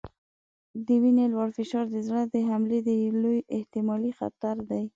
د وینې لوړ فشار د زړه د حملې یو لوی احتمالي خطر دی.